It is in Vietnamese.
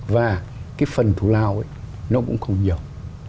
và cái phần thủ lao ấy nó cũng không nhiều